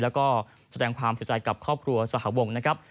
และแสดงความเสียใจกับครอบครัวสหบง